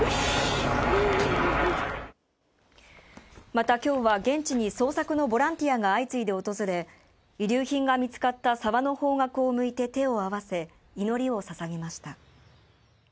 また今日は現地に捜索のボランティアが相次いで訪れ、遺留品が見つかった沢の方角を向いて手を合わせ祈りをささげました。